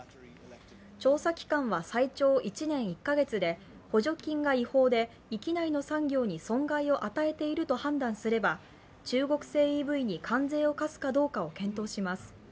調査期間は最長１年１か月で補助金が違法で域内の産業に損害を与えていると判断すれば中国製ＥＶに関税を課すかどうかを検討します。